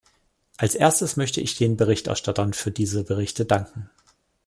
Als Erstes möchte ich den Berichterstattern für diese Berichte danken.